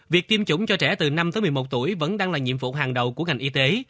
việc tiêm chủng cho trẻ từ năm tới một mươi một tuổi vẫn đang là nhiệm vụ hàng đầu của ngành y tế